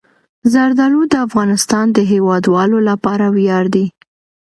زردالو د افغانستان د هیوادوالو لپاره ویاړ دی.